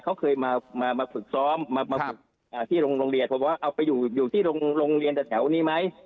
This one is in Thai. เขาเคยมาฝึกซ้อมมาฝึกที่โรงเรียนผมว่าเอาไปอยู่ที่โรงเรียนแต่แถวนี้ไหม